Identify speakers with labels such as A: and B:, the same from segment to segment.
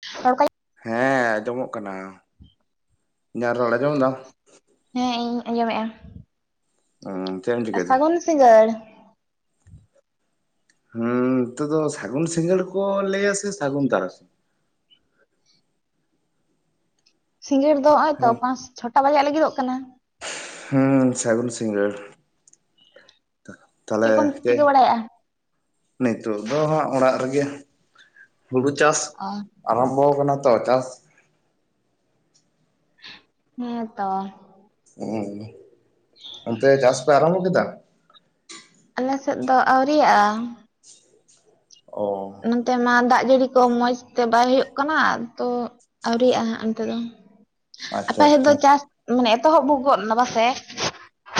A: [unintelligible]
B: ᱦᱮᱸ ᱟᱸᱡᱚᱢᱚᱜ ᱠᱟᱱᱟ ᱤᱧ ᱨᱚᱲ ᱟᱸᱡᱚᱢ ᱮᱫᱟ?
A: ᱦᱮᱸ ᱤᱧ ᱟᱸᱡᱚᱢᱮᱫᱼᱟ ᱾
B: [unintelligible]
A: ᱥᱟᱹᱜᱩᱱ ᱥᱤᱝᱜᱟᱹᱲ
B: ᱦᱮᱸ ᱱᱤᱛᱚᱜ ᱫᱚ ᱥᱟᱜᱩᱱ ᱥᱤᱸᱜᱟᱹᱲ ᱠᱚ ᱞᱟᱹᱭᱟ ᱥᱮ ᱥᱟᱜᱩᱱ ᱛᱟᱨᱥᱤ?
A: ᱥᱤᱸᱜᱟᱹᱲ ᱫᱚ ᱦᱚᱜᱭ ᱛᱚ
B: ᱦᱮᱸ
A: ᱯᱟᱸᱪ ᱪᱷᱚᱴᱟ ᱵᱟᱡᱟᱜ ᱞᱟᱹᱜᱤᱫᱚᱜ ᱠᱟᱱᱟ ᱾
B: ᱦᱮᱸ ᱥᱟᱹᱜᱩᱱ ᱥᱤᱝᱜᱟᱹᱲ ᱛᱟᱦᱚᱞᱮ
A: ᱪᱮᱫ ᱠᱚᱢ ᱪᱤᱠᱟᱹ ᱵᱟᱲᱟᱭᱮᱫᱼᱟ
B: [unintelligible] ᱱᱤᱛᱚᱜ ᱫᱚ ᱦᱟᱸᱜ ᱚᱲᱟᱜ ᱨᱮᱜᱮ ᱦᱩᱲᱩ ᱪᱟᱥ ᱟᱨᱟᱢᱵᱷᱚ ᱟᱠᱟᱱᱟ ᱛᱚ ᱪᱟᱥ
A: ᱦᱮᱸ ᱛᱚ
B: ᱚᱱᱛᱮ ᱪᱟᱥ ᱯᱮ ᱟᱨᱟᱢᱵᱷᱚ ᱠᱮᱫᱟ?
A: ᱟᱞᱮ ᱥᱮᱫ ᱫᱚ ᱟᱹᱣᱨᱤᱭᱟᱜᱼᱟ ᱾
B: ᱚ
A: ᱱᱚᱛᱮ ᱢᱟ ᱫᱟᱜ ᱡᱟᱹᱲᱤ ᱠᱚ ᱢᱚᱸᱡᱽ ᱛᱮ ᱵᱟᱭ ᱦᱩᱭᱩᱜ ᱠᱟᱱᱟ ᱛᱚ ᱟᱹᱣᱨᱤᱭᱟᱜ-ᱟ ᱚᱱᱛᱮ ᱫᱚ ᱾
B: ᱟᱪᱪᱷᱟ
A: ᱟᱯᱮ ᱥᱮᱫ ᱫᱚ
B: ᱟᱪᱪᱷᱟ
A: ᱪᱟᱥ ᱢᱟᱱᱮ ᱮᱛᱚᱦᱚᱵ ᱜᱚᱫ ᱱᱟ ᱵᱟᱟᱥᱮ?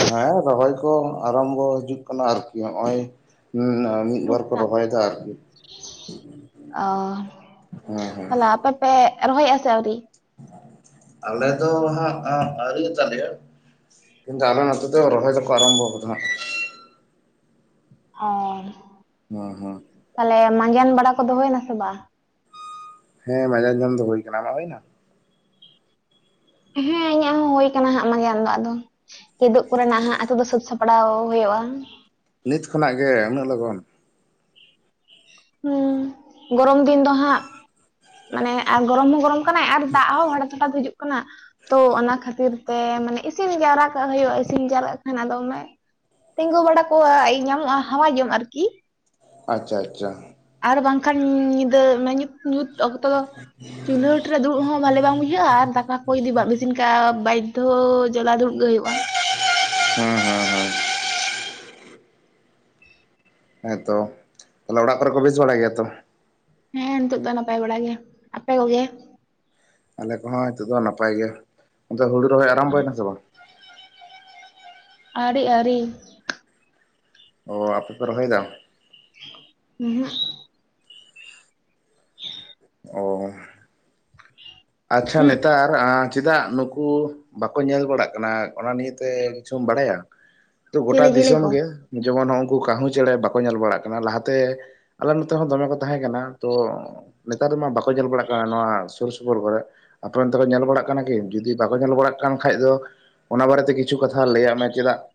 B: ᱦᱮᱸ ᱨᱚᱦᱚᱭ ᱠᱚ ᱟᱨᱟᱢᱵᱚ ᱦᱤᱡᱩᱜ ᱠᱟᱱᱟ ᱟᱨᱠᱤ ᱱᱚᱜ ᱚᱭ ᱢᱤᱫ
A: ᱴᱩᱠ
B: ᱵᱟᱨ ᱠᱚ
A: ᱴᱟᱠ
B: ᱨᱚᱦᱚᱭ ᱫᱟ ᱟᱨᱠᱤ
A: ᱚ
B: ᱦᱮᱸ ᱦᱮᱸ
A: ᱛᱟᱦᱞᱮ ᱟᱯᱮ ᱯᱮ ᱨᱚᱦᱚᱭᱮᱫᱼᱟ ᱥᱮ ᱟᱹᱣᱨᱤ
B: ᱟᱞᱮ ᱫᱚ ᱦᱜ ᱟᱹᱨᱤ ᱛᱟᱞᱮᱭᱟ ᱾ ᱠᱤᱱᱛᱩ ᱟᱞᱮ ᱱᱚᱛᱮ ᱫᱚ ᱨᱚᱦᱚᱭ ᱫᱚ ᱠᱚ ᱟᱨᱚᱢᱵᱷᱚ ᱟᱠᱟᱱᱟ ᱾
A: ᱟᱚᱸᱭ
B: ᱦᱮᱸ ᱦᱮᱸ
A: ᱛᱟᱦᱚᱞᱮ ᱢᱟᱸᱡᱟᱱ ᱵᱟᱲᱟ ᱠᱚ ᱫᱚ ᱦᱚᱭᱮᱱᱟ ᱥᱮ ᱵᱟᱝ?
B: ᱦᱮᱸ ᱢᱟᱡᱟᱱ ᱡᱚᱢ ᱫᱚ ᱦᱩᱭ ᱟᱠᱟᱱᱟ ᱟᱢᱟᱜ ᱦᱩᱭ ᱱᱟ?
A: ᱦᱮᱸ ᱤᱧᱟᱹᱜ ᱦᱚᱸ ᱦᱚᱭ ᱟᱠᱟᱱᱟ ᱦᱟᱜ ᱢᱟᱡᱟᱱ ᱫᱚ ᱟᱫᱚ ᱾ ᱠᱤᱫᱩᱜ ᱠᱚᱨᱮᱱᱟᱜ ᱦᱟᱜ ᱟᱛᱳ ᱫᱚ ᱥᱟᱹᱛ ᱥᱟᱯᱲᱟᱣ ᱦᱩᱭᱩᱜᱼᱟ ᱾
B: ᱱᱤᱛ ᱠᱷᱚᱱᱟᱜ ᱜᱮ ᱩᱱᱟᱹᱜ ᱞᱚᱜᱚᱱ?
A: ᱦᱩᱸ ᱜᱚᱨᱚᱢ ᱫᱤᱱ ᱫᱚ ᱦᱟᱸᱜ ᱢᱟᱱᱮ ᱟᱨ ᱜᱚᱨᱚᱢ ᱦᱚᱸ ᱜᱚᱨᱚᱢ ᱠᱟᱱᱟᱭ ᱟᱨ ᱫᱟᱜ ᱦᱚᱸ ᱦᱟᱲᱟ ᱛᱚᱴᱟᱛ ᱦᱤᱡᱩᱜ ᱠᱟᱱᱟ ᱾ ᱛᱚ ᱚᱱᱟ ᱠᱷᱟᱹᱛᱤᱨ ᱛᱮ ᱢᱟᱱᱮ ᱤᱥᱤᱱ ᱡᱟᱣᱨᱟ ᱠᱟᱜ ᱦᱩᱭᱩᱜᱼᱟ᱾ ᱤᱥᱤᱱ ᱡᱟᱣᱨᱟ-ᱜ ᱠᱷᱟᱱ ᱟᱫᱚᱢᱮ ᱛᱤᱸᱜᱩ ᱵᱟᱲᱟ ᱠᱚᱣᱟᱧᱟᱢᱚᱜᱼᱟ᱾ ᱦᱟᱣᱟ ᱡᱚᱝ ᱟᱨᱠᱤ
B: ᱟᱪᱪᱷᱟ ᱟᱪᱪᱷᱟ ᱾
A: ᱟᱨ ᱵᱟᱝᱠᱷᱟᱱ ᱧᱤᱫᱟᱹ ᱧᱩᱛ ᱧᱩᱛ ᱚᱠᱛᱚ ᱫᱚ, ᱪᱩᱞᱦᱟᱹ ᱴᱨᱮ ᱫᱩᱲᱩᱵ ᱦᱚᱸ ᱵᱷᱟᱞᱮ ᱵᱟᱝ ᱵᱩᱡᱟᱹᱜᱼᱟ᱾ ᱟᱨ ᱫᱟᱠᱟ ᱠᱚ ᱡᱩᱫᱤ ᱵᱟᱢ ᱤᱥᱤᱱ ᱠᱷᱟᱱᱡ ᱵᱟᱫᱽᱫᱷᱚ ᱡᱚᱞᱟ ᱫᱩᱲᱩᱵ ᱜᱮ ᱦᱩᱭᱩᱜᱼᱟ᱾
B: ᱦᱩᱸ ᱦᱩᱸ ᱦᱩᱸ ᱦᱮᱸ ᱛᱚ ᱛᱟᱦᱚᱞᱮ ᱚᱲᱟᱜ ᱠᱚᱨᱮ ᱠᱚ ᱵᱮᱥ ᱵᱟᱲᱟᱭ ᱜᱮᱭᱟ ᱛᱚ,
A: ᱦᱮᱸ ᱱᱤᱛᱚᱜ ᱫᱚ ᱱᱟᱯᱟᱭ ᱵᱟᱲᱟ ᱜᱮ ᱟᱯᱮ ᱠᱚᱜᱮ?
B: ᱟᱞᱮ ᱠᱚᱼᱦᱚᱸ ᱱᱤᱛᱳᱜ ᱫᱚ ᱱᱟᱯᱟᱭ ᱜᱮᱭᱟ ᱾ᱛᱮ ᱦᱩᱲᱩ ᱨᱚᱦᱚᱭ ᱟᱨᱟᱢᱵᱚᱭᱮᱱ-ᱟ ᱥᱮ ᱵᱟᱝ?
A: ᱟᱹᱣᱨᱤ ᱟᱹᱣᱨᱤ
B: ᱚ ᱟᱯᱮ ᱯᱮ ᱨᱚᱦᱚᱭ ᱫᱟ,
A: ᱦᱩᱸ ᱦᱩᱜ [unintelligible]
B: ᱚᱻ ᱟᱪᱪᱷᱟ
A: ᱩᱦᱩᱸᱜ
B: ᱱᱮᱛᱟᱨ, ᱪᱮᱫᱟᱜ ᱱᱩᱠᱩ ᱵᱟᱠᱚ ᱧᱮᱞ ᱵᱟᱲᱟᱜ ᱠᱟᱱᱟ ᱚᱱᱟ ᱱᱤᱭᱛᱮ ᱠᱤᱪᱷᱩᱢ ᱵᱟᱲᱟᱭᱟ? ᱛᱚ ᱜᱳᱴᱟ
A: ᱪᱮᱞᱮ ᱪᱮᱞᱮ ᱠᱚ
B: ᱫᱤᱥᱚᱢ ᱜᱮ, ᱡᱮᱢᱚᱱ ᱩᱱᱠᱩ ᱠᱟᱦᱩ ᱪᱮᱸᱬᱮᱸ ᱵᱟᱠᱚ ᱧᱮᱞ ᱵᱟᱲᱟᱜ ᱠᱟᱱᱟ ᱾ᱞᱟᱦᱟᱛᱮᱼ ᱟᱞᱮ ᱱᱚᱛᱮ ᱦᱚᱸ ᱫᱚᱢᱮ ᱠᱚ ᱛᱟᱦᱮᱸ ᱠᱟᱱᱟ ᱛᱚ ᱱᱮᱛᱟᱨ ᱫᱚᱢᱟ ᱵᱟᱠᱚ ᱧᱮᱞ ᱵᱟᱲᱟᱜ ᱠᱟᱱᱟ ᱱᱚᱣᱟ ᱥᱩᱨ ᱥᱩ ᱥᱩᱯᱩᱨ ᱠᱚᱨᱮ ᱟᱯᱮᱚᱱ ᱛᱮ ᱠᱚ ᱧᱮᱞ ᱵᱟᱲᱟᱜ ᱠᱟᱱᱟ ᱠᱤ ᱡᱩᱫᱤ ᱵᱟᱠᱚ ᱧᱮᱞ ᱵᱟᱲᱟᱜ ᱠᱟᱱ ᱠᱷᱟᱡ ᱫᱚ ᱚᱱᱟ ᱵᱟᱨᱮ ᱛᱮ ᱠᱤ ᱠᱤᱪᱷᱩ ᱠᱟᱛᱷᱟ ᱞᱟᱹᱭᱟᱜ ᱢᱮ ᱪᱮᱫᱟᱜᱼᱼ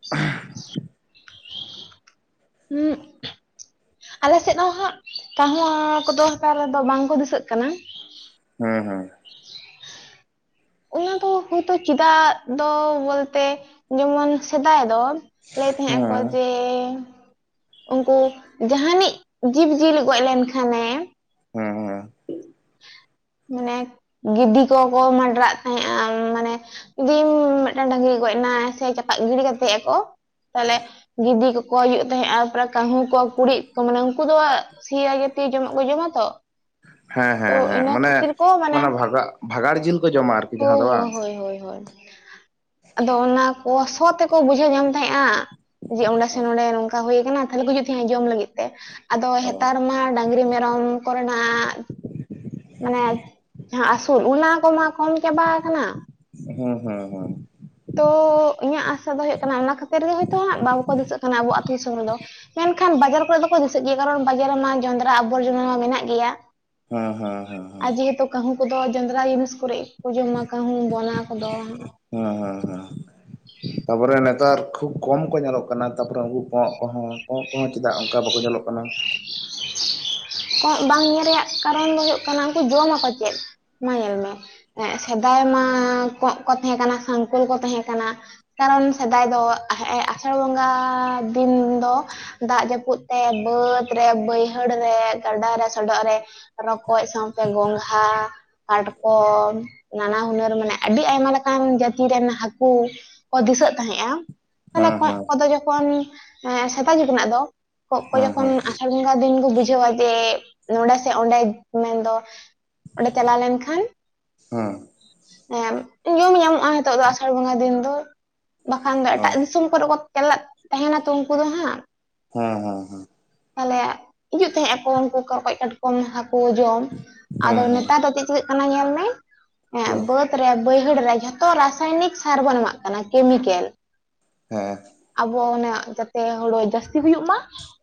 A: ᱦᱩᱸᱜ ᱟᱞᱮ ᱥᱮᱫ ᱦᱚᱸ ᱦᱟᱸᱜ, ᱠᱟᱹᱦᱩ ᱠᱚᱼᱫᱚ ᱦᱟᱛᱟᱨ ᱨᱮᱫᱚ ᱵᱟᱝᱠᱚ ᱫᱤᱥᱟᱹᱜ ᱠᱟᱱᱟ᱾
B: ᱦᱩᱸ ᱦᱩᱸ
A: ᱚᱱᱟ ᱫᱚ ᱦᱳᱭᱛᱳ ᱪᱮᱫᱟᱜ ᱫᱚ ᱵᱚᱞᱛᱮ ᱡᱮᱢᱚᱱ ᱥᱮᱫᱟᱭ ᱫᱚ, ᱞᱟᱹᱭ ᱮᱫ ᱛᱟᱦᱮᱸ ᱠᱚ
B: ᱦᱩᱸ
A: ᱡᱮ ᱩᱱᱠᱩ ᱡᱟᱦᱟᱱᱤᱡ ᱡᱤᱵᱽ ᱡᱤᱭᱟᱹᱞᱤ ᱜᱚᱡ ᱞᱮᱱᱠᱷᱟᱱᱮ
B: ᱦᱩᱸ ᱦᱩᱸ
A: ᱢᱟᱱᱮ ᱜᱤᱫᱤ ᱠᱚᱠᱚ ᱢᱟᱰᱨᱟᱜ ᱛᱟᱦᱮᱸᱜᱼᱟ ᱢᱟᱱᱮ, ᱡᱩᱫᱤᱢ ᱢᱤᱫᱴᱟᱝ ᱰᱟᱹᱝᱨᱤ ᱜᱚᱡ ᱮᱱᱟ ᱥᱮ ᱪᱟᱯᱟᱫ ᱜᱤᱲᱤ ᱠᱟᱛᱮᱜ ᱟᱠᱚ ᱛᱟᱦᱚᱞᱮ ᱜᱤᱫᱤ ᱠᱚᱠᱚ ᱦᱩᱭᱩᱜ ᱛᱟᱦᱮᱸᱜ-ᱟ ᱯᱨᱟ ᱠᱟᱹᱦᱩ ᱠᱚ ᱠᱩᱲᱤᱫ ᱠᱚ ᱢᱟᱱᱮ ᱩᱱᱠᱩ ᱫᱚ ᱥᱤᱭᱟ ᱡᱟᱹᱛᱤ ᱡᱚᱢᱟᱜ ᱠᱚ ᱡᱚᱢᱟ ᱛᱚᱼᱼ
B: ᱦᱮᱸ
A: ᱛᱚ
B: ᱦᱮᱸ ᱦᱮᱸ
A: ᱤᱱᱟᱹ
B: ᱢᱟᱱᱮ
A: ᱠᱷᱟᱹᱛᱤᱨ ᱠᱚ ᱢᱟᱱᱮ
B: ᱵᱷᱟᱜᱟᱜ ᱵᱷᱟᱜᱟᱲ ᱡᱤᱞ ᱠᱚ ᱡᱚᱢᱟ ᱟᱨᱠᱤ
A: ᱦ
B: ᱡᱟᱦᱟᱸ ᱫᱚ
A: ᱦ
B: ᱵᱟᱝ
A: ᱦᱳᱭ ᱦᱳᱭ [inaudible] ᱟᱫᱚ ᱚᱱᱟ ᱠᱚ ᱥᱚ ᱛᱮᱠᱚ ᱵᱩᱡᱷᱽᱟᱹᱣ ᱧᱟᱢ ᱛᱟᱦᱮᱸᱜᱼᱟ ᱾ ᱡᱮ ᱚᱸᱰᱮ ᱥᱮ ᱱᱚᱰᱮ ᱱᱚᱝᱠᱟ ᱦᱩᱭᱠᱟᱱᱟ᱾ ᱛᱟᱦᱞᱮ ᱠᱚ ᱦᱤᱡᱩᱜ ᱛᱟᱦᱮᱸᱜᱼᱟ ᱡᱚᱢ ᱞᱟᱹᱜᱤᱫ ᱛᱮ, ᱟᱫᱚ
B: ᱦᱩᱸ
A: ᱦᱮᱸᱛᱟᱨ ᱢᱟ ᱰᱟᱝᱨᱤ ᱢᱮᱨᱚᱢ ᱠᱚᱨᱮᱱᱟᱜ ᱢᱟᱱᱮ ᱡᱟᱦᱟᱸ ᱟᱹᱥᱩᱞ ᱚᱱᱟ ᱠᱚᱢᱟ ᱠᱚᱢ ᱪᱟᱵᱟ ᱠᱟᱱᱟ᱾
B: ᱦᱩᱸ ᱦᱩᱸ ᱦᱩᱸ
A: ᱛᱚ ᱤᱧᱟᱹᱜ ᱟᱥᱟ ᱛᱟᱸᱦᱮᱜ ᱠᱟᱱᱟ ᱚᱱᱟ ᱠᱷᱟᱹᱛᱤᱨ ᱜᱮ ᱦᱳᱭᱛᱚ ᱵᱟᱠᱚ ᱫᱤᱥᱟᱹᱜ ᱠᱟᱱᱟ ᱟᱵᱚ ᱟᱛᱳ ᱫᱤᱥᱚᱢ ᱨᱮᱫᱚ, ᱮᱱᱠᱷᱟᱱ ᱵᱟᱡᱟᱨ ᱠᱚᱨᱮ ᱫᱚᱠᱚ ᱫᱤᱥᱟᱹᱜ ᱜᱮᱭᱟ, ᱠᱟᱨᱚᱱ ᱵᱟᱡᱟᱨ ᱨᱮᱢᱟ ᱡᱚᱱᱰᱨᱟ ᱟᱵᱚᱨᱡᱚᱱᱟ ᱢᱟ ᱢᱮᱱᱟᱜ ᱜᱮᱭᱟ ᱾
B: ᱦᱩᱸ ᱦᱩᱸ ᱦᱩᱸ ᱦᱩᱸ
A: ᱠᱟᱹᱦᱩ ᱠᱚᱼᱫᱚ ᱡᱟᱸᱡᱨᱟ ᱡᱤᱱᱤᱥ ᱠᱚᱨᱮ ᱜᱮᱠᱚ ᱡᱚᱢᱟ ᱠᱟᱦᱩ ᱵᱚᱱᱟ ᱠᱚ-ᱫᱚ
B: ᱦᱩᱸ ᱦᱩᱸ ᱦᱩᱸ ᱛᱟᱯᱚᱨᱮ ᱱᱮᱛᱟᱨ ᱠᱷᱩᱵ ᱠᱚᱢ ᱠᱚ ᱧᱮᱞᱚᱜ ᱠᱟᱱᱟ ᱛᱟᱯᱚᱨᱮ ᱩᱱᱠᱩ ᱠᱚᱜ ᱠᱚᱦᱚᱸ ᱠᱚᱸᱜ ᱠᱚᱦᱚᱸ ᱪᱮᱫᱟᱜ ᱚᱱᱠᱟ ᱵᱟᱠᱚ ᱧᱮᱞᱚᱜ ᱠᱟᱱᱟ,
A: ᱠᱚᱸᱜ ᱵᱟᱝ ᱧᱮᱞ ᱨᱮᱭᱟᱜ ᱠᱟᱨᱚᱱ ᱫᱚ ᱦᱩᱭᱩᱜ ᱠᱟᱱᱟ ᱩᱱᱠᱩ ᱡᱚᱢ ᱟᱠᱚ ᱪᱮᱫ ᱢᱟ ᱧᱮᱞ ᱢᱮ, ᱮᱸᱜ ᱥᱮᱫᱟᱭ ᱢᱟ ᱠᱚᱜ ᱠᱚ ᱛᱟᱦᱮᱸ ᱠᱟᱱᱟ ᱥᱚᱝᱠᱩᱞ ᱠᱚ ᱛᱟᱦᱮᱸ ᱠᱟᱱᱟ ᱠᱟᱨᱚᱱ ᱥᱮᱫᱟᱭ ᱫᱚ ᱦᱮᱸᱜ-ᱮ ᱟᱥᱟᱲ ᱵᱚᱸᱜᱟ ᱫᱤᱱ ᱫᱚ᱾ ᱫᱟᱜ ᱡᱟᱹᱯᱩᱫ ᱛᱮ ᱵᱟᱹᱫ ᱨᱮ ᱵᱟᱹᱭᱦᱟᱹᱲ ᱨᱮ ᱜᱟᱰᱟ ᱨᱮ ᱥᱚᱰᱚᱜ ᱨᱮ ᱨᱚᱠᱚᱡ ᱥᱟᱶᱛᱮ ᱜᱚᱝᱜᱷᱟ ᱾ ᱠᱟᱴᱠᱚᱢ ᱱᱟᱱᱟ ᱦᱩᱱᱟᱹᱨ ᱢᱟᱱᱮ ᱟᱹᱰᱤ ᱟᱭᱢᱟ ᱞᱮᱠᱟᱱ ᱡᱟᱹᱛᱤ ᱨᱮᱱ ᱦᱟᱹᱠᱩ ᱠᱚ ᱫᱤᱥᱟᱹᱜ ᱛᱟᱦᱮᱸᱜᱼᱟ ᱚᱱᱮ
B: ᱦᱮᱸ
A: ᱠᱚᱸᱡ
B: ᱦᱮᱸ
A: ᱠᱚᱫᱚ ᱡᱚᱠᱷᱚᱱ ᱥᱮᱫᱟᱭ ᱡᱩᱜᱽ ᱨᱮᱱᱟᱜ ᱫᱚ ᱠᱚᱸᱜ ᱠᱚ
B: ᱦᱮᱸ
A: ᱡᱚᱠᱷᱚᱱ
B: ᱦᱮᱸ
A: ᱟᱥᱟᱲ ᱚᱠᱟ ᱫᱤᱱ ᱠᱚ ᱵᱩᱡᱷᱟᱹᱣᱟ ᱡᱮ ᱱᱚᱰᱮ ᱥᱮ ᱚᱸᱰᱮ ᱢᱮᱱᱫᱚ ᱚᱸᱰᱮ ᱪᱟᱞᱟᱣ ᱞᱮᱱᱠᱷᱟᱱ
B: ᱦᱮᱸ
A: ᱧᱩᱢ ᱧᱟᱢᱚᱜᱼᱟ ᱱᱤᱛᱚᱜ ᱫᱚ ᱟᱥᱟᱲ ᱵᱚᱸᱜᱟ ᱫᱤᱱ ᱫᱚ ᱵᱟᱠᱷᱟᱱ ᱫᱚ
B: ᱚ
A: ᱮᱴᱟᱜ ᱫᱤᱥᱚᱢ ᱠᱚᱨᱮ ᱠᱚ ᱪᱞᱟᱜ ᱛᱟᱦᱮᱱᱟ ᱛᱚ ᱩᱱᱠᱩ ᱫᱚ ᱦᱟᱸᱜ
B: ᱦᱮᱸ ᱦᱮᱸ ᱦᱮᱸ
A: ᱛᱟᱦᱚᱞᱮ ᱦᱤᱡᱩᱜ ᱛᱟᱸᱦᱮᱜ ᱟᱠᱚ ᱩᱱᱠᱩ ᱨᱚᱠᱚᱡ, ᱠᱟᱴᱠᱚᱢ, ᱦᱟᱹᱠᱩ ᱡᱚᱢ
B: ᱦᱮᱸ
A: ᱟᱫᱚ
B: ᱦᱮᱸ ᱦᱮᱸ
A: ᱱᱮᱛᱟᱨ ᱫᱚ ᱪᱮᱫ ᱪᱤᱠᱟᱹ ᱠᱟᱱᱟ ᱧᱮᱞ ᱢᱮ ᱮᱸ
B: ᱦᱳ
A: ᱵᱟᱹᱫᱽ ᱠᱷᱮᱛ ᱨᱮ ᱵᱟᱹᱭᱦᱟᱹᱲ ᱨᱮ ᱡᱷᱚᱛᱚ ᱨᱟᱥᱟᱭᱱᱤᱠ ᱥᱟᱨ ᱵᱚᱱ ᱮᱢᱟᱜ ᱠᱟᱱᱟ ᱠᱮᱢᱤᱠᱮᱞ
B: ᱦᱮᱸ
A: ᱟᱵᱚ ᱚᱱᱟ ᱡᱟᱛᱮ ᱦᱳᱲᱳ ᱡᱟᱹᱥᱛᱤ ᱦᱩᱭᱩᱜ ᱢᱟ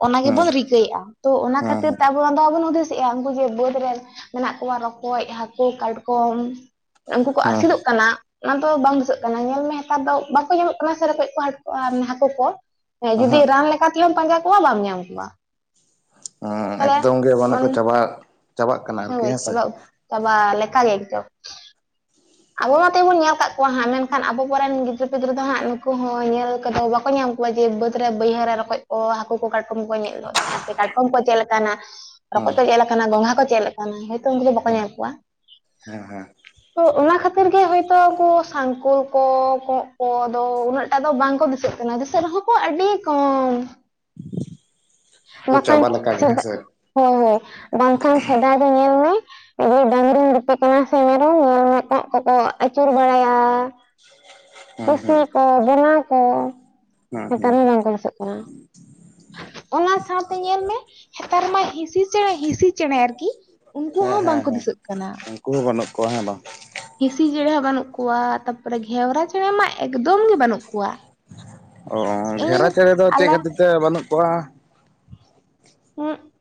A: ᱚᱱᱟ
B: ᱦᱮᱸ
A: ᱜᱮᱵᱚᱱ ᱨᱤᱠᱟᱹᱭᱮᱜᱼᱟ᱾ ᱛᱳ ᱚᱱᱟ
B: ᱦᱮᱸ
A: ᱠᱷᱟᱹᱛᱤᱨ
B: ᱦᱮᱸ
A: ᱛᱮ ᱟᱵᱚ ᱚᱱᱟᱫᱚ ᱵᱟᱵᱚᱱ ᱦᱩᱫᱤᱥᱮᱜᱼᱟ ᱩᱱᱠᱩ ᱡᱮ ᱵᱟᱹᱫᱽ ᱨᱮ ᱢᱮᱱᱟᱜ ᱠᱚᱣᱟ ᱨᱚᱠᱚᱡ, ᱦᱟᱹᱠᱳ, ᱠᱟᱴᱠᱚᱢ ᱩᱱᱠᱩ ᱠᱚ
B: ᱦᱮᱸ
A: ᱟᱥᱮᱫᱚᱜ ᱠᱟᱱᱟ ᱚᱱᱟ ᱫᱚ ᱵᱟᱝ ᱫᱤᱥᱟᱹᱜ ᱠᱟᱱᱟ ᱧᱮᱞ ᱢᱮ ᱦᱮᱛᱟᱨ ᱫᱚ ᱵᱟᱠᱚ ᱧᱮᱞᱚᱜ ᱠᱟᱱᱟ ᱥᱮ ᱨᱚᱠᱚᱡ ᱠᱚ ᱦᱟᱴ ᱦᱟᱹᱠᱳ ᱠᱚ ᱦᱮᱸ
B: ᱚᱦᱚᱸᱜ
A: ᱡᱩᱫᱤ ᱨᱟᱱ ᱞᱮᱠᱟ ᱛᱮᱦᱢ ᱯᱟᱸᱡᱟ ᱠᱚᱣᱟ ᱵᱟᱢ ᱧᱟᱢ ᱠᱚᱣᱟ
B: ᱦᱚᱸ
A: ᱛᱟᱦᱞᱮ
B: ᱮᱠᱫᱚᱢ ᱜᱮ ᱢᱟᱱᱮ ᱠᱚ ᱪᱟᱵᱟ ᱪᱟᱵᱟᱜ ᱠᱟᱱᱟ ᱟᱨᱠᱤ ᱦᱮᱸᱥᱮ
A: ᱛᱵᱟ ᱞᱮᱠ ᱜᱮ ᱮᱠᱫᱚᱢ ᱟᱵᱚ ᱢᱟᱛᱮ ᱵᱚᱱ ᱧᱮᱞ ᱠᱟᱜ ᱠᱚᱣᱟ ᱦᱟᱸᱜ ᱢᱮᱱᱠᱷᱟᱱ ᱟᱵᱚ ᱠᱚᱚᱨᱱ ᱜᱤᱫᱽᱨᱟᱹ ᱯᱤᱫᱽᱨᱟᱹ ᱫᱚ ᱦᱟᱸᱜ ᱱᱩᱠᱩ ᱦᱚᱸ ᱧᱮᱞ ᱠᱚᱫᱚ ᱵᱟᱠᱚ ᱧᱟᱢ ᱠᱚᱣᱟ ᱡᱮ ᱵᱟᱹᱫᱽ ᱨᱮ ᱵᱟᱹᱭᱦᱟᱹ ᱨᱮ ᱨᱚᱠᱚᱡ ᱠᱚ ᱦᱟᱠᱳ ᱠᱚ ᱠᱟᱴ ᱠᱚᱢ ᱠᱚ ᱧᱮᱞ ᱜᱚᱫ ᱢᱮᱭᱟ ᱥᱮ ᱠᱟᱴᱠᱚᱢ ᱠᱚ ᱪᱮᱫ ᱞᱮᱠᱟᱱᱟ ᱨᱚᱠᱚᱡ
B: ᱦᱮᱸ
A: ᱠᱚ ᱪᱮᱫ ᱞᱮᱠᱟᱱᱟ ᱜᱚᱝᱜᱷᱟ ᱠᱚ ᱪᱮᱫ ᱞᱮ ᱠᱟᱱᱟ ᱦᱭᱛᱚ ᱩᱱᱠᱩ ᱫᱚ ᱵᱟᱠᱚ
B: ᱦᱮᱸ
A: ᱧᱮᱞ ᱠᱚᱣᱟ
B: ᱦᱮᱸ ᱦᱮᱸ
A: ᱛᱚ ᱚᱱᱟ ᱠᱷᱟᱹᱛᱤᱨ ᱜᱮ ᱦᱳᱭᱛᱚ ᱩᱱᱠᱩ ᱥᱟᱝᱠᱳᱞ ᱠᱚ ᱠᱚᱸᱜ ᱠᱚᱫᱚ ᱩᱱᱟᱹᱜ ᱴᱟᱜ ᱫᱚ ᱵᱟᱝ ᱠᱚ ᱫᱤᱥᱟᱹᱜ ᱠᱟᱱᱟ ᱫᱤᱥᱟᱹᱜ ᱨᱮᱦᱚᱸ ᱠᱚ ᱟᱹᱰᱤ ᱠᱚᱢ
B: ᱛᱚ
A: ᱵᱟᱠᱷᱟᱱ
B: ᱪᱟᱵᱟ ᱞᱮᱠᱟ ᱜᱮ
A: ᱥᱮᱫᱟ
B: ᱦᱮᱸᱥᱮ
A: ᱦᱳᱭ ᱦᱳᱭ ᱵᱟᱝᱠᱷᱟᱱ ᱥᱮᱫᱟᱭ ᱫᱚ ᱧᱮᱞ ᱢᱮ [unintelligible] ᱢᱤᱫ ᱵᱟᱹᱲ ᱰᱟᱝᱨᱤᱧ ᱜᱩᱯᱤ ᱠᱟᱱᱟ ᱥᱮ ᱢᱮᱨᱚᱢ ᱧᱮᱞᱢᱮ ᱠᱚᱸᱜ ᱠᱚᱠᱚ ᱟᱹᱪᱩᱨ ᱵᱟᱲᱟᱭᱟ [unintelligible]
B: ᱦᱮᱸ ᱦᱮᱸ
A: ᱯᱟᱹᱥᱤᱭᱟᱠᱚ ᱵᱮᱱᱟᱣ ᱠᱚ
B: ᱦᱮᱸ
A: ᱱᱮᱛᱟᱨ
B: ᱦᱮᱸ
A: ᱦᱚᱸ ᱵᱟᱝᱠᱚ ᱫᱤᱥᱟᱹᱜ ᱠᱟᱱᱟ ᱚᱱᱟ ᱥᱟᱶᱛᱮ ᱧᱮᱞ ᱢᱮ ᱱᱮᱛᱟᱨ ᱢᱟ ᱦᱸᱤᱥᱥᱤ ᱪᱮᱬᱮ ᱦᱤᱸᱤᱥᱥᱤ ᱪᱮᱬᱮ ᱟᱨᱠᱤ ᱩᱱᱠᱩ ᱦᱚᱸ ᱵᱟᱝᱠᱚ ᱫᱤᱥᱟᱹᱜ ᱠᱟᱱᱟ
B: ᱱᱩᱜ ᱠᱚᱣᱟ ᱦᱮᱸ ᱵᱟᱝ
A: ᱦᱤᱸᱥᱤ ᱪᱮᱬᱮ ᱦᱚᱸ ᱵᱟᱹᱱᱩᱜ ᱠᱚᱣᱟ ᱛᱟᱨᱯᱚᱨᱮ ᱜᱷᱮᱣᱨᱟ ᱪᱮᱬᱮ ᱢᱟ ᱮᱠᱫᱚᱢ ᱜᱮ ᱵᱟᱹᱱᱩᱜ ᱠᱚᱣᱟ
B: ᱚ
A: ᱤᱧ
B: ᱜᱷᱮᱣᱨᱟ ᱪᱮᱬᱮ ᱫᱚ ᱪᱮᱫ
A: ᱟᱞᱮ
B: ᱠᱷᱟᱹᱛᱤᱨ ᱛᱮ ᱵᱟᱹᱱᱩᱜ ᱠᱚᱣᱟ
A: ᱦᱩᱸᱜ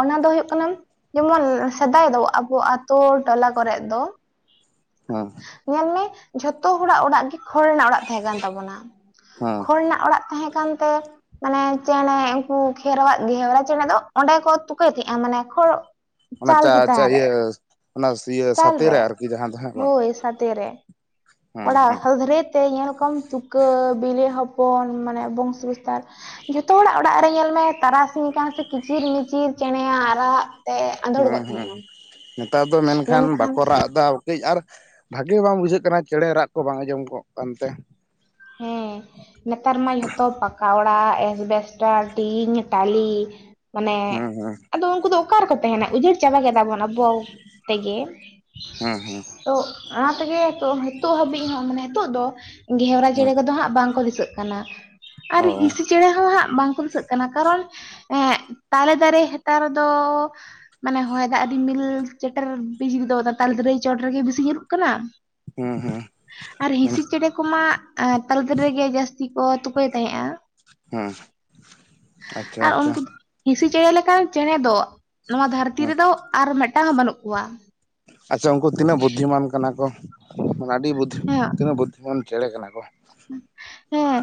A: ᱚᱱᱟ ᱫᱚ ᱦᱳᱭᱳᱜ ᱠᱟᱱᱟ ᱡᱮᱢᱚᱱ ᱥᱮᱫᱟᱭ ᱫᱚ ᱟᱵᱚ ᱟᱛ ᱴᱚᱞᱟ ᱠᱚᱨᱮᱜ ᱫᱚ
B: ᱦᱚᱸ
A: ᱧᱮᱞ ᱢᱮ ᱡᱷᱚᱛᱚ ᱦᱚᱲᱟᱜ ᱚᱲᱟᱜ ᱜᱮ ᱠᱷᱚᱲ ᱨᱮᱱᱟᱜ ᱚᱲᱟᱜ ᱛᱟᱦᱮ ᱠᱟᱱ ᱛᱟᱵᱚᱱᱟ
B: ᱦᱩᱸ
A: ᱚᱲ ᱨᱮᱱᱟᱜ ᱚᱲᱟᱜ ᱛᱟᱸᱦᱮ ᱠᱟᱱ ᱛᱮ ᱢᱟᱱᱮ ᱪᱮᱬᱮ ᱩᱱᱠᱩ ᱠᱷᱮᱨᱣᱟᱜ ᱜᱷᱮᱣᱨᱟ ᱪᱮᱬᱮ ᱫᱚ ᱚᱸᱰᱮ ᱠᱚ ᱛᱩᱠᱟᱹᱭ ᱛᱟᱦᱮᱸᱜᱼᱟ ᱢᱟᱱᱮ ᱠᱷᱚᱲ
B: ᱚᱱᱟ
A: ᱪᱟᱞ
B: ᱪᱟ
A: ᱪᱮᱛᱟᱱ
B: ᱪᱟ
A: ᱨᱮ
B: ᱤᱭᱟᱹ ᱚᱱᱟ ᱤᱭᱟᱹ ᱥᱟᱛᱮ ᱨᱮ ᱟᱨᱠᱤ ᱡᱟᱦᱟᱸ ᱫᱚ ᱦᱟᱸᱜ ᱵᱟᱝ
A: ᱦᱳᱭ ᱥᱟᱛᱮ ᱨᱮ
B: ᱦᱮᱸ
A: ᱠᱚᱲᱟ
B: ᱦᱮᱸ
A: ᱦᱟᱹᱞᱫᱲᱷᱨᱮ ᱛᱮ ᱧᱮᱞ ᱠᱚᱢ ᱛᱩᱠᱟᱹ ᱵᱤᱞᱮ ᱦᱚᱯᱚᱱ ᱢᱟᱱᱮ ᱵᱚᱝᱥᱚ ᱵᱤᱥᱛᱟᱨ ᱡᱷᱚᱛᱚ ᱦᱚᱲᱟᱜ ᱚᱲᱟᱜ ᱨᱮ ᱧᱮᱞ ᱢᱮ ᱛᱟᱨᱟᱥᱤᱧ ᱠᱟᱱ ᱥᱮ ᱠᱤᱪᱤᱨ ᱢᱤᱪᱤᱨ ᱪᱮᱬᱮ ᱟᱜ ᱨᱟᱜᱽ ᱛᱮ ᱟᱸᱫᱳᱲ
B: ᱦᱮᱸ
A: ᱜᱚᱫ
B: ᱦᱮᱸ
A: ᱢᱮᱭᱟ
B: ᱱᱮᱛᱟᱨ ᱫᱚ ᱢᱮᱱᱠᱷᱟᱱ ᱵᱟᱠᱚ ᱨᱟᱜ ᱫᱟ ᱠᱟᱹᱡ ᱟᱨ ᱵᱷᱟᱜᱮ ᱵᱟᱝ ᱵᱩᱡᱷᱟᱹᱜ ᱠᱟᱱᱟ ᱪᱮᱬᱮ ᱟᱜ ᱨᱟᱜ ᱠᱚ ᱵᱟᱝ ᱟᱸᱡᱚᱢ ᱠᱚᱜ ᱠᱟᱱᱛᱮ
A: ᱦᱮᱸ ᱱᱮᱛᱟᱨ ᱢᱟ ᱡᱷᱚᱛᱚ ᱯᱟᱠᱟ ᱚᱲᱟᱜ ᱮᱥᱵᱮᱥᱴᱟᱨ ᱴᱤᱧ ᱴᱟᱞᱤ ᱚᱱᱮ
B: ᱦᱮᱸ ᱦᱮᱸ
A: ᱟᱫᱚ ᱩᱱᱠᱩ ᱫᱚ ᱚᱠᱟ ᱨᱮᱠᱚ ᱛᱟᱦᱮᱱᱟ ᱩᱡᱟᱹᱲ ᱪᱟᱵᱟ ᱠᱮᱫᱟ ᱵᱚᱱᱵ ᱯᱚᱣ ᱛᱮᱜᱮ
B: ᱦᱮᱸ ᱦᱮᱸ
A: ᱛᱚ ᱚᱱᱟ ᱛᱮᱜᱮ ᱛᱚ ᱱᱤᱛᱚᱜ ᱦᱟᱹᱵᱤᱡ ᱦᱚᱸ ᱢᱟᱱᱮ ᱱᱤᱛᱚᱜ ᱫᱚ ᱜᱷᱮᱣᱨᱟ
B: ᱦᱮᱸ
A: ᱪᱮᱬᱮ ᱠᱚᱫᱚ ᱦᱟᱸᱜ ᱵᱟᱝᱠᱚ ᱫᱤᱥᱟᱹᱜ ᱠᱟᱱᱟ ᱟᱨ
B: ᱚ
A: ᱦᱤᱸᱥᱤ ᱪᱮᱬᱮ ᱦᱚᱸ ᱦᱟᱸᱜ ᱵᱟᱝᱠᱚ ᱫᱤᱥᱟᱹᱜ ᱠᱟᱱᱟ ᱠᱟᱨᱚᱱ ᱮᱸ ᱛᱟᱞᱮ ᱫᱟᱨᱮ ᱦᱮᱛᱟᱨ ᱫᱚ ᱢᱟᱱᱮ ᱦᱚᱭ ᱫᱟᱜ ᱫᱤᱢᱤᱞ ᱪᱮᱴᱮᱨ ᱵᱤᱡᱽᱞᱤ ᱫᱚ ᱛᱟᱞᱮ ᱫᱟᱨᱮ ᱪᱚᱴ ᱨᱮᱜᱮ ᱵᱮᱥᱤ ᱧᱩᱨᱩᱜ ᱠᱟᱱᱟ
B: ᱦᱩᱸ ᱦᱩᱸ
A: ᱟᱨ ᱦᱸᱤᱥᱤ ᱪᱮᱬᱮ ᱠᱚᱢᱟ ᱛᱟᱞᱮ ᱫᱟᱨᱮᱜᱮ ᱡᱟᱹᱥᱛᱤ ᱠᱚ ᱛᱩᱠᱟᱹᱭᱮᱜ ᱛᱟᱦᱮᱸᱜᱼᱟ
B: ᱦᱮᱸ ᱟᱪᱪᱷᱟ
A: ᱟᱨ
B: ᱟᱪᱪᱷᱟ
A: ᱩᱱᱠᱩ ᱦᱤᱸᱥᱤ ᱪᱮᱬᱮ ᱞᱮᱠᱟᱱ ᱪᱮᱬᱮ ᱫᱚ ᱱᱚᱣᱟ ᱫᱷᱟᱹᱨᱛᱤ
B: ᱦᱮᱸ
A: ᱨᱮᱫᱚ ᱟᱨ ᱢᱮᱫᱴᱟᱝ ᱦᱚᱸ ᱵᱟᱹᱱᱩᱜ ᱠᱚᱣᱟ
B: ᱟᱪᱪᱷᱟ ᱩᱝᱠᱩ ᱛᱤᱱᱟᱹᱜ ᱵᱩᱫᱽᱫᱷᱤᱢᱟᱱ ᱠᱟᱱᱟ ᱠᱚ ᱢᱟᱱᱮ ᱟᱹᱰᱤ ᱵᱩᱫᱽᱫᱷᱤ
A: ᱦᱮᱸ
B: ᱛᱤᱱᱟᱹᱜ ᱵᱩᱫᱷ ᱢᱟᱱ ᱪᱮᱬᱮ ᱠᱟᱱᱟ ᱠᱚ
A: ᱦᱮᱸ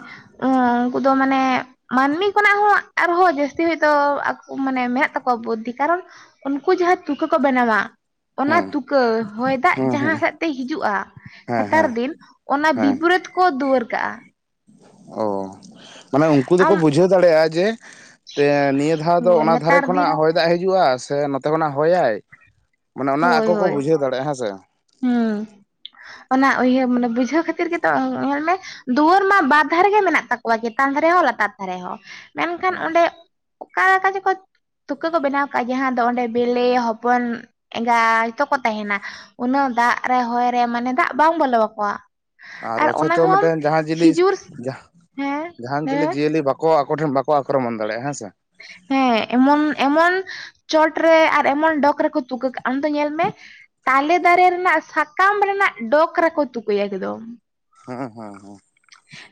A: ᱩᱝᱠᱩ ᱫᱚ ᱢᱟᱱᱮ ᱢᱟᱹᱱᱢᱤ ᱠᱷᱚᱱᱟᱜ ᱦᱚᱸ ᱟᱨᱦᱚᱸ ᱡᱟᱹᱥᱛᱤ ᱦᱚᱭᱛᱳ ᱟᱠᱚ ᱢᱟᱱᱮ ᱢᱮᱱᱟᱜ ᱛᱟᱠᱚᱣᱟ ᱵᱩᱫᱽᱫᱷᱤ ᱠᱟᱨᱚᱱ ᱩᱱᱠᱩ ᱡᱟᱦᱟᱸ ᱛᱩᱠᱟᱹ ᱠᱚ ᱵᱮᱱᱟᱣᱟ ᱚᱱᱟ
B: ᱦᱮᱸ
A: ᱛᱩᱠᱟᱹ ᱦᱚᱭ ᱫᱟᱜ
B: ᱦᱮᱸ
A: ᱡᱟᱦᱟᱸ
B: ᱦᱮᱸ
A: ᱥᱮᱫ ᱛᱮ ᱦᱤᱡᱩᱜᱼᱟ
B: ᱦᱮᱸ
A: ᱦᱮᱛᱟᱨ
B: ᱦᱮᱸ
A: ᱫᱤᱱ ᱚᱱᱟ
B: ᱦᱮᱸ
A: ᱵᱤᱯᱚᱨᱤᱛ ᱠᱚ ᱫᱩᱣᱟᱹᱨ ᱠᱟᱜᱼᱟ
B: ᱚ ᱢᱟᱱᱮ ᱩᱝᱠᱩ ᱫᱚᱠᱚ
A: ᱟᱢ
B: ᱵᱩᱡᱷᱟᱹᱣ ᱫᱟᱲᱮᱭᱟᱜᱼᱟ ᱡᱮ ᱛᱮ ᱱᱤᱭᱟᱹ ᱫᱷᱟᱣ ᱫᱚ ᱚᱱᱟ ᱫᱷᱟᱨᱮ
A: ᱱᱮᱛᱟᱨ ᱫᱤᱱ
B: ᱠᱷᱚᱱᱟᱜ ᱦᱚᱭ ᱫᱟᱜ ᱦᱤᱡᱩᱜᱼᱟ ᱥᱮ ᱱᱚᱛᱮ ᱠᱷᱚᱱᱟᱜ ᱦᱚᱭᱟᱭ ᱢᱟᱱᱮ ᱚᱱᱟ
A: ᱦᱳᱭ
B: ᱟᱠᱚ ᱠᱚ
A: ᱦᱳᱭ
B: ᱵᱩᱡᱷᱟᱹᱣ ᱫᱟᱲᱮᱭᱟᱜᱼᱟ ᱦᱮᱸ ᱥᱮ
A: ᱦᱩᱸ ᱚᱱᱟ ᱚᱭᱟᱹ ᱢᱟᱱᱮ ᱵᱩᱡᱷᱟᱹᱣ ᱠᱷᱟᱹᱛᱤᱨ ᱜᱮᱛᱚ ᱧᱮᱞ ᱢᱮ ᱫᱩᱣᱟᱹᱨ ᱢᱟ ᱵᱟᱨ ᱫᱷᱟᱨᱮ ᱜᱮ ᱢᱮᱱᱟᱜ ᱛᱟᱠᱚᱣᱟ ᱪᱮᱛᱟᱱ ᱫᱷᱟᱨᱮ ᱦᱚᱸ ᱞᱟᱛᱟᱨ ᱫᱷᱟᱨᱮ ᱦᱚᱸ ᱢᱮᱱᱠᱷᱟᱱ
B: ᱦᱮᱸ
A: ᱚᱸᱰᱮ ᱚᱠᱟᱞᱮᱠᱟ ᱪᱚᱠᱚ ᱛᱩᱠᱟᱹ ᱠᱚ ᱵᱮᱱᱟᱣ ᱠᱟᱜᱼᱟ ᱡᱟᱦᱟᱸ ᱫᱚ ᱚᱸᱰᱮ ᱵᱮᱞᱮ ᱦᱚᱯᱚᱱ ᱮᱸᱜᱟ ᱡᱚᱛᱚ ᱠᱚ ᱛᱟᱦᱮᱱᱟ ᱩᱱᱟᱹᱜ ᱫᱟᱜ ᱨᱮ ᱦᱚᱭ ᱨᱮ ᱢᱟᱱᱮ ᱫᱟᱜ ᱵᱟᱝ ᱵᱚᱞᱚᱣᱟᱠᱚᱣᱟ
B: ᱟᱨ ᱚᱛᱷᱚᱪᱚ ᱢᱮᱫᱴᱮᱱ ᱡᱟᱦᱟᱸ ᱡᱤᱞᱤᱥ
A: ᱠᱷᱤᱡᱩᱨ
B: ᱡᱟᱦ
A: ᱦᱮᱸ
B: ᱡᱟᱦᱟᱱ ᱡᱤᱞᱤ
A: ᱦᱮᱸ
B: ᱡᱤᱭᱟᱹᱞᱤ ᱵᱟᱠᱚ ᱟᱠ ᱟᱠᱚ ᱴᱷᱮᱱ ᱵᱟᱠᱚ ᱟᱠᱨᱚᱢᱚᱱ ᱫᱟᱲᱭᱟᱜᱼᱟ ᱦᱮᱸ ᱥᱮ
A: ᱦᱮᱸ ᱮᱢᱚᱱ ᱮᱢᱚᱱ ᱪᱚᱴ ᱨᱮ ᱟᱨ ᱮᱢᱚᱱ ᱰᱚᱠᱽ ᱨᱮᱠᱚ ᱛᱩᱠᱟᱹ ᱠᱟᱜᱼᱟ ᱟᱢ ᱫᱚ ᱧᱮᱞ ᱢᱮ ᱛᱟᱞᱮ ᱫᱟᱨᱮ ᱨᱮᱱᱟᱜ ᱥᱟᱠᱟᱢ ᱨᱮᱱᱟᱜ ᱰᱚᱠ ᱨᱮᱠᱚ ᱛᱩᱠᱟᱹᱭᱟ ᱮᱠᱫᱚᱢ
B: ᱦᱮᱸ ᱦᱩᱸ ᱦᱩᱸ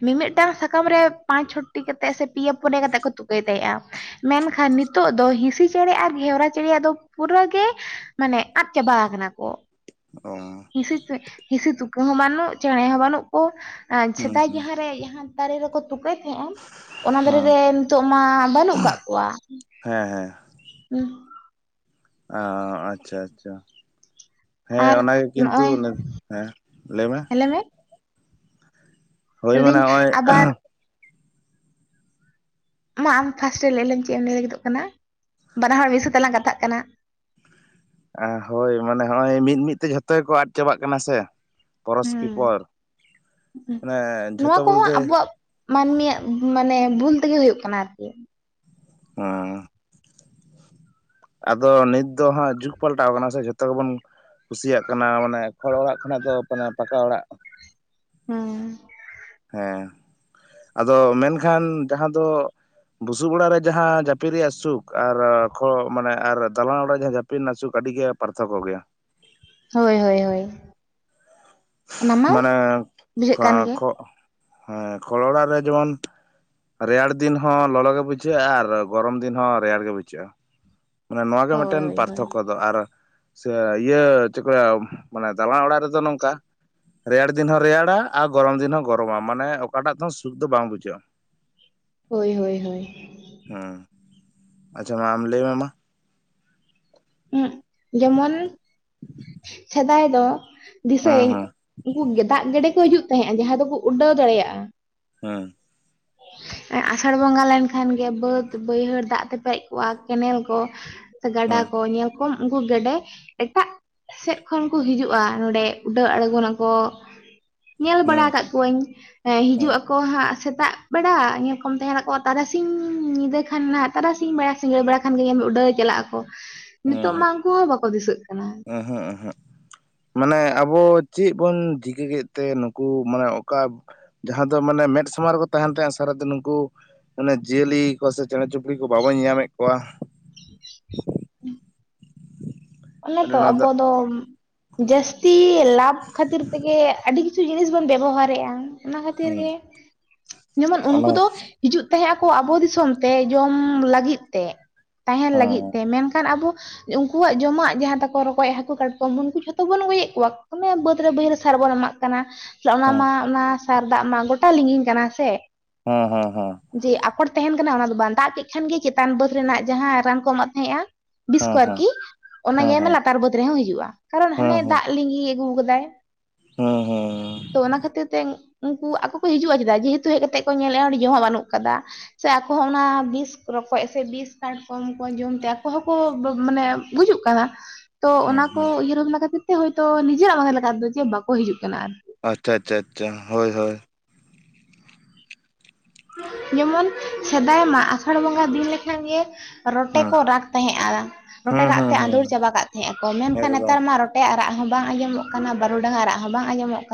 A: ᱢᱤᱼᱢᱤᱜᱴᱟᱝ ᱥᱟᱠᱟᱢ ᱨᱮ ᱯᱟᱸᱪ ᱪᱷᱚᱴᱤ ᱠᱟᱛᱮᱜ ᱥᱮ ᱯᱤᱭᱮ ᱯᱚᱱᱮᱭᱟ ᱠᱟᱛᱮᱜ ᱠᱚ ᱛᱩᱠᱟᱹᱭ ᱛᱟᱦᱮᱸᱜᱼᱟ ᱢᱮᱱᱠᱷᱟᱱ ᱱᱤᱛᱚᱜ ᱫᱚ ᱦᱤᱸᱥᱤ ᱪᱮᱬᱮ ᱟᱨ ᱜᱷᱮᱣᱨᱟ ᱪᱮᱬᱮᱭᱟᱜ ᱫᱚ ᱯᱩᱨᱟᱹ ᱜᱮ ᱢᱟᱱᱮ ᱟᱫ ᱪᱟᱵᱟᱣ ᱠᱟᱱᱟ ᱠᱚ
B: ᱚ
A: ᱦᱤᱸᱥᱤ ᱛᱮᱜ ᱦᱤᱸᱥᱤ ᱛᱩᱠᱟᱹ ᱦᱚᱸ ᱵᱟᱹᱱᱩᱜ ᱪᱮᱬᱮ ᱦᱚᱸ ᱵᱟᱹᱱᱩᱜ ᱠᱚ ᱟᱨ
B: ᱦᱩᱸ
A: ᱥᱮᱫᱟᱭ
B: ᱦᱩᱸ
A: ᱡᱟᱦᱟᱸᱨᱮ ᱡᱟᱦᱟᱸ ᱫᱟᱨᱮ ᱨᱮᱠᱚ ᱛᱩᱠᱟᱹᱭ ᱛᱟᱦᱮᱸᱜᱼᱟ ᱚᱱᱟ ᱫᱟᱨᱮ
B: ᱦᱮᱸ
A: ᱨᱮ ᱱᱤᱛᱚᱜ ᱢᱟ ᱵᱟᱹᱱᱩᱜ ᱠᱟᱜ ᱠᱚᱣᱟ
B: ᱦᱮᱸ
A: ᱦᱩᱸ
B: ᱚ ᱟᱪᱪᱷᱟ ᱟᱪᱪᱷᱟ ᱦᱮᱸ
A: ᱟᱨ
B: ᱚᱱᱟᱜᱮ ᱠᱤᱱᱛᱩ
A: ᱱᱚᱜᱼᱚᱭ
B: ᱦᱮᱸ ᱞᱮᱭ ᱢᱮ ᱦᱳᱭ ᱢᱟᱱᱮ
A: ᱞᱟᱹᱭᱫᱟᱹᱧ
B: ᱦᱚᱜᱼᱚᱭ
A: ᱟᱵᱟᱨ ᱢᱟ ᱟᱢ ᱯᱷᱟᱥᱴᱮ ᱞᱮᱭᱞᱮᱢ ᱪᱮᱜ ᱮᱢ ᱞᱮᱭ ᱞᱟᱹᱜᱤᱫᱚᱜ ᱠᱟᱱᱟ ᱵᱟᱱᱟ ᱦᱚᱲ ᱢᱤᱫ ᱥᱟᱛᱮᱜ ᱞᱟᱝ ᱜᱟᱛᱟᱜ ᱠᱟᱱᱟ
B: ᱦᱳᱭ ᱢᱟᱱᱮ ᱦᱚᱜᱼᱚᱭ ᱢᱤᱫ ᱢᱤᱫ ᱛᱮ ᱡᱷᱚᱛᱚ ᱜᱮᱠᱚ ᱟᱴ ᱪᱟᱵᱟᱜ ᱠᱟᱱᱟ ᱥᱮ ᱯᱚᱨᱚᱥᱠᱤ
A: ᱦᱩᱸ
B: ᱯᱚᱨ ᱢᱟᱱᱮ
A: ᱱᱚᱣᱟ
B: ᱡᱷᱚᱛᱚ
A: ᱠᱚᱦᱚᱸ
B: ᱵᱚᱞᱛᱮ
A: ᱟᱵᱚᱣᱟᱜ ᱢᱟᱹᱱᱢᱤᱭᱟᱜ ᱢᱟᱱᱮ ᱵᱷᱩᱞ ᱛᱮᱜᱮ ᱦᱩᱭᱩᱜ ᱠᱟᱱᱟ ᱟᱨᱠᱤ
B: ᱦᱚᱸ ᱟᱫᱚ ᱱᱤᱛ ᱫᱚ ᱦᱟᱸᱜ ᱡᱩᱜᱽ ᱯᱟᱞᱴᱟᱣ ᱠᱟᱱᱟ ᱥᱮ ᱡᱷᱚᱛᱚ ᱜᱮᱵᱚᱱ ᱠᱩᱥᱤᱭᱟᱜ ᱠᱟᱱᱟ ᱢᱟᱱᱮ ᱠᱷᱚᱲ ᱚᱲᱟᱜ ᱠᱷᱚᱱᱟᱜ ᱫᱚ ᱢᱟᱱᱮ ᱯᱟᱠᱟ ᱚᱲᱟᱜ
A: ᱦᱩᱸ
B: ᱦᱮᱸ ᱟᱫᱚ ᱢᱮᱱᱠᱷᱟᱱ ᱡᱟᱦᱟᱸ ᱫᱚ ᱵᱩᱥᱩᱵ ᱚᱲᱟᱜ ᱨᱮ ᱡᱟᱦᱟᱸ ᱡᱟᱹᱯᱤᱫ ᱨᱮᱭᱟᱜ ᱥᱩᱠ ᱟᱨ ᱠᱷ ᱢᱟᱱᱮ ᱟᱨ ᱫᱟᱞᱟᱱ ᱚᱲᱟᱜ ᱨᱮ ᱡᱟᱦᱟᱸ ᱡᱟᱹᱯ ᱯᱩᱥᱤ ᱱᱟᱜ ᱥᱩᱠᱷ ᱟᱹᱰᱤ ᱜᱮ ᱯᱟᱨᱛᱷᱚᱠᱚ ᱜᱮᱭᱟ
A: ᱦᱚᱭ ᱦᱚᱭ ᱦᱚᱭ
B: ᱢᱟᱸᱱᱟ
A: ᱵᱩᱡᱷᱟᱹᱜ
B: ᱠᱷᱟ
A: ᱠᱟᱱ ᱜᱮ
B: ᱠᱷᱚᱲᱚᱲᱟ ᱨᱮ ᱡᱚᱱ ᱨᱮᱭᱟᱲ ᱫᱤᱱ ᱦᱚᱸ ᱞᱚᱞᱚ ᱜᱮ ᱵᱩᱡᱷᱟᱹᱜ-ᱟ ᱟᱨ ᱜᱚᱨᱚᱢ ᱫᱤᱱ ᱦᱚᱸ ᱨᱮᱭᱟᱲ ᱜᱮ ᱵᱩᱡᱷᱟᱹᱜ-ᱟ ᱢᱟᱱᱮ ᱱᱚᱣᱟᱜᱮ
A: ᱦᱳᱭ
B: ᱢᱤᱫᱴᱮᱱ
A: ᱦᱳᱭ
B: ᱯᱟᱨᱛᱷᱚᱠᱠᱚ ᱫᱚ ᱟᱨ ᱥᱮ ᱤᱭᱟᱹ ᱪᱤᱠᱟᱹᱭᱟᱢ ᱢᱟᱱᱮ ᱫᱟᱞᱟ ᱚᱲᱟᱜ ᱨᱮᱫᱚ ᱱᱚᱝᱠᱟ ᱨᱮᱭᱟᱲ ᱫᱤᱱ ᱦᱚᱸ ᱨᱮᱭᱟᱲᱟ ᱟᱨ ᱜᱚᱨᱚᱢ ᱫᱤᱱ ᱦᱚᱸ ᱜᱚᱨᱚᱢᱟ ᱢᱟᱱᱮ ᱚᱠᱟᱴᱟᱜ ᱫᱚ ᱥᱩᱠ ᱫᱚ ᱵᱟᱝ ᱵᱩᱡᱷᱟᱹᱜ-ᱟ
A: ᱦᱳᱭ ᱦᱳᱭ ᱦᱚᱭ
B: ᱦᱩᱸ ᱟᱪᱪᱷᱟ ᱢᱟ ᱟᱢ ᱞᱟᱹᱭ ᱢᱮ ᱢᱟ
A: ᱦᱩᱸᱜ ᱡᱮᱢᱚᱱ ᱥᱮᱫᱟᱭ ᱫᱚ ᱫᱤᱥᱟᱹᱭ
B: ᱦᱮᱸ ᱦᱮᱸ
A: ᱩᱝᱠᱩ ᱜᱮ ᱫᱟᱜ ᱜᱮᱰᱮ ᱠᱚ ᱦᱤᱡᱩᱜ ᱛᱟᱦᱮᱸᱜ-ᱟ ᱡᱟᱦᱟᱸᱭ ᱫᱚᱠᱚ ᱩᱰᱟᱹᱣ ᱫᱟᱲᱮᱭᱟᱜ-ᱟ
B: ᱦᱮᱸ
A: ᱟᱥᱟᱲ ᱵᱚᱸᱜᱟ ᱞᱮᱱᱠᱷᱟᱱ ᱜᱮ ᱵᱟᱹᱫᱽ ᱵᱟᱹᱭᱦᱟᱹᱲ ᱫᱟᱜ ᱛᱮ ᱯᱮᱡ ᱠᱚᱜ-ᱟ ᱠᱮᱱᱮᱞ ᱠᱚ ᱜᱟᱰᱟ
B: ᱦᱮᱸ
A: ᱠᱚ ᱧᱮᱞ ᱠᱚᱢ ᱩᱝᱠᱩ ᱜᱮᱰᱮ ᱮᱴᱟᱜ ᱥᱮᱜ ᱠᱷᱚᱱ ᱠᱚ ᱦᱤᱡᱩᱜ-ᱟ ᱱᱚᱰᱮ ᱩᱰᱟᱹᱣ ᱟᱬᱜᱚᱱᱟᱠᱚ ᱧᱮᱞ ᱵᱟᱲᱟ
B: ᱦᱮᱸ
A: ᱠᱟᱜ ᱠᱚᱣᱟᱹᱧ
B: ᱦᱮᱸ
A: ᱦᱤᱡᱩᱜ ᱟᱠᱚ ᱦᱟᱸᱜ ᱥᱮᱛᱟᱜ ᱵᱮᱲᱟ ᱧᱮᱞ ᱠᱚᱢ ᱛᱟᱦᱮᱸ ᱱᱟᱠᱚᱣᱟᱜ ᱛᱟᱨᱟᱥᱤᱧ ᱧᱤᱫᱟᱹ ᱠᱷᱟᱱ ᱱᱟᱜ ᱛᱟᱨᱟᱥᱤᱧ ᱵᱮᱲᱟ ᱥᱤᱸᱜᱟᱹᱲ ᱵᱟᱲᱟ ᱠᱷᱟᱱ ᱜᱮ ᱩᱰᱟᱹᱣ ᱪᱟᱞᱟᱜ ᱟᱠᱚ᱾ ᱱᱤᱛᱚᱜ ᱢᱟ ᱩᱝᱠᱩ ᱦᱚᱸ ᱵᱟᱠᱚ ᱫᱤᱥᱟᱹᱜ ᱠᱟᱱᱟ᱾
B: ᱚᱸᱦᱚᱸ ᱚᱸᱦᱚᱜ ᱢᱟᱱᱮ ᱟᱵᱚ ᱪᱮᱫ ᱵᱚᱱ ᱪᱤᱠᱟᱹ ᱠᱮᱫ ᱛᱮ ᱱᱩᱠᱩ ᱢᱟᱱᱮ ᱚᱠᱟ ᱡᱟᱦᱟᱸ ᱫᱚ ᱢᱟᱱᱮ ᱢᱮᱫ ᱥᱟᱢᱟᱝ ᱨᱮᱠᱚ ᱛᱟᱦᱮᱱ ᱛᱮᱦᱮᱸᱜ ᱥᱟᱨᱟ ᱫᱤᱱ ᱱᱩᱝᱠᱩ, ᱚᱱᱮ ᱡᱤᱭᱟᱹᱞᱤ ᱠᱚ ᱥᱮ ᱪᱮᱬᱮ ᱪᱩᱯᱲᱤ ᱠᱚ ᱵᱟᱵᱚ ᱧᱮᱧᱟᱢᱮᱫ ᱠᱚᱣᱟ᱾
A: ᱚᱱᱮ
B: ᱟᱹᱰᱤ
A: ᱛᱚ
B: ᱱᱚᱣᱟ ᱫᱚ
A: ᱟᱵᱚ ᱫᱚᱢ ᱡᱟᱹᱥᱛᱤ ᱞᱟᱵᱷ ᱠᱷᱟᱹᱛᱤᱨ ᱛᱮᱜᱮ ᱟᱹᱰᱤ ᱠᱤᱪᱷᱩ ᱡᱤᱱᱤᱥ ᱵᱚᱱ ᱵᱮᱵᱚᱦᱟᱨᱮᱜᱼᱟ᱾ ᱚᱱᱟ ᱠᱷᱟᱹᱛᱤᱨ
B: ᱦᱩᱸ
A: ᱜᱮ ᱡᱮᱢᱚᱱ ᱩᱝᱠᱩ
B: ᱚᱱᱟ
A: ᱫᱚ ᱦᱤᱡᱩᱜ ᱛᱟᱦᱮᱸᱜ ᱟᱠᱚ ᱟᱵᱚ ᱫᱤᱥᱚᱢ ᱛᱮ ᱡᱚᱢ ᱞᱟᱹᱜᱤᱫ ᱛᱮ᱾ ᱛᱟᱦᱮᱱ ᱞᱟᱹᱜᱤᱫ
B: ᱦᱮᱸ
A: ᱛᱮ, ᱢᱮᱱᱠᱷᱟᱱ ᱟᱵᱚ ᱩᱱᱠᱩᱣᱟᱜ ᱡᱚᱢᱟᱜ ᱡᱟᱦᱟᱸ ᱛᱟᱠᱚ ᱨᱚᱠᱚᱡ ᱦᱟᱹᱠᱩ ᱠᱟᱴᱠᱚᱢ ᱩᱱᱠᱩ ᱡᱷᱚᱛᱚ ᱵᱚᱱ ᱜᱚᱭᱮᱜ ᱠᱚᱣᱟ ᱢᱟᱱᱮ ᱵᱟᱹᱫᱽ ᱨᱮ ᱵᱟᱹᱭᱦᱟᱹᱲ ᱥᱟᱨ ᱵᱚᱱ ᱮᱢᱟᱜ ᱠᱟᱱᱟ᱾ ᱚᱱᱟ
B: ᱦᱮᱸ
A: ᱢᱟ ᱚᱱᱟ ᱥᱟᱨ ᱫᱟᱜ ᱢᱟ ᱜᱚᱴᱟ ᱞᱤᱸᱜᱤᱱ ᱠᱟᱱᱟ ᱥᱮ᱾
B: ᱦᱚᱸ ᱦᱚᱸ ᱦᱚᱸ
A: ᱡᱮ ᱟᱠᱚᱰ ᱛᱟᱦᱮᱱ ᱠᱟᱱᱟ ᱚᱱᱟ ᱫᱚ ᱵᱟᱝ᱾ ᱫᱟᱜ ᱠᱮᱫ ᱠᱷᱟᱱ ᱜᱮ ᱪᱮᱛᱟᱱ ᱵᱟᱹᱫ ᱨᱮᱱᱟᱜ ᱡᱟᱦᱟᱸ ᱨᱟᱱ ᱠᱚ ᱮᱢᱟᱜ ᱛᱟᱦᱮᱸᱜᱼᱟ ᱵᱤᱥ
B: ᱦᱮᱸ
A: ᱠᱚ
B: ᱦᱮᱸ
A: ᱟᱨᱠᱤ ᱚᱱᱟ
B: ᱦᱮᱸ
A: ᱧᱮᱞ ᱢᱮ
B: ᱦᱮᱸ
A: ᱞᱟᱛᱟᱨ ᱵᱟᱹᱫᱽ ᱨᱮᱦᱚᱸ ᱦᱤᱡᱩᱜ-ᱟ ᱾ ᱠᱟᱨᱚᱱ ᱦᱟᱱᱮ
B: ᱦᱮᱸ
A: ᱫᱟᱜ ᱞᱤᱸᱜᱤ ᱟᱜᱩ ᱠᱟᱫᱟᱭ᱾
B: ᱦᱚᱸ ᱦᱮᱸ
A: ᱛᱚ ᱚᱱᱟ ᱠᱷᱟᱹᱛᱤᱨ ᱛᱮ ᱩᱱᱠᱩ ᱟᱠᱚ ᱠᱚ ᱦᱤᱡᱩᱜᱼᱟ ᱪᱮᱫᱟᱜ ᱡᱮᱦᱮᱛᱩ ᱦᱮᱡ ᱠᱟᱛᱮᱜ ᱠᱚ ᱧᱮᱞᱮᱜᱼᱟ ᱚᱸᱰᱮ ᱡᱚᱢᱟᱜ ᱵᱟᱹᱱᱩᱜ ᱠᱟᱫᱟ᱾ ᱥᱮ ᱟᱠᱚ ᱦᱚᱸ ᱚᱱᱟ ᱵᱤᱥ ᱨᱚᱠᱚᱡ ᱥᱮ ᱵᱤᱥ ᱠᱟᱴ ᱠᱚᱢ ᱠᱚ ᱡᱚᱢᱛᱮ ᱟᱠᱚ ᱦᱚᱸᱠᱚ ᱢᱟᱱᱮ ᱜᱩᱡᱩᱜ ᱠᱟᱱᱟ ᱛᱚ
B: ᱦᱮᱸ
A: ᱚᱱᱟ ᱠᱚ
B: ᱦᱮᱸ
A: ᱩᱭᱟᱹᱨ ᱵᱷᱟᱵᱱᱟ ᱠᱷᱟᱛᱤᱨ ᱛᱮ ᱦᱚᱭ ᱛᱚ ᱱᱤᱡᱮᱨᱟᱜ ᱢᱚᱱᱮ ᱞᱮᱠᱟᱛᱮ ᱫᱚ ᱡᱮ ᱵᱟᱠᱚ ᱦᱤᱡᱩᱜ ᱠᱟᱱᱟ᱾
B: ᱟᱪᱪᱷᱟ ᱟᱪᱪᱷᱟ ᱟᱪᱪᱷᱟ ᱦᱚᱭ ᱦᱚᱭ
A: ᱡᱮᱢᱚᱱ ᱥᱮᱫᱟᱭ ᱢᱟ ᱟᱥᱟᱲ ᱵᱚᱸᱜᱟ ᱫᱤᱱ ᱞᱮᱠᱷᱟᱱ ᱜᱮ ᱨᱚᱴᱮ
B: ᱦᱩᱸ
A: ᱠᱚ ᱨᱟᱜ ᱛᱟᱦᱮᱸᱜ-ᱟ᱾ ᱨᱚᱴᱮ
B: ᱦᱩᱸ
A: ᱨᱟᱜ
B: ᱦᱩᱸ
A: ᱛᱮ
B: ᱦᱩᱸ
A: ᱟᱸᱫᱳᱲ ᱪᱟᱵᱟ ᱠᱟᱜ ᱛᱟᱦᱮᱸᱜ ᱟᱠᱚ᱾ ᱢᱮᱱᱠᱷᱟᱱ
B: ᱮᱠᱫᱚᱢ
A: ᱱᱮᱛᱟᱨ ᱢᱟ ᱴᱮᱭᱟᱝ ᱨᱟᱜ ᱦᱚᱸ ᱵᱟᱝ ᱟᱸᱡᱚᱢᱚᱜ ᱠᱟᱱᱟ, ᱵᱟᱨᱩᱰᱟᱝᱟᱜ ᱨᱟᱜ ᱦᱚᱸ ᱵᱟᱝ ᱟᱸᱡᱚᱢᱚᱜ ᱠᱟᱱᱟ᱾